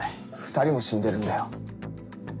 ２人も死んでるんだよ？